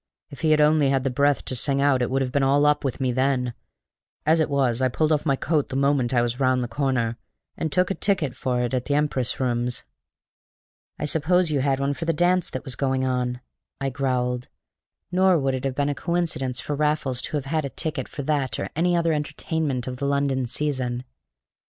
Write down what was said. If he had only had the breath to sing out it would have been all up with me then; as it was I pulled off my coat the moment I was round the corner, and took a ticket for it at the Empress Rooms." "I suppose you had one for the dance that was going on," I growled. Nor would it have been a coincidence for Raffles to have had a ticket for that or any other entertainment of the London season.